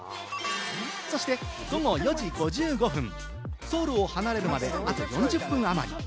そして午後４時５５分、ソウルを離れるまで、あと４０分あまり。